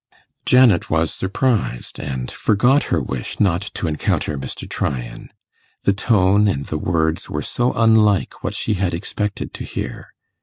Janet was surprised, and forgot her wish not to encounter Mr. Tryan: the tone and the words were so unlike what she had expected to hear.